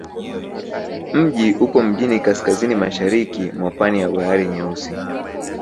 Mji upo mjini kaskazini-mashariki mwa pwani ya Bahari Nyeusi.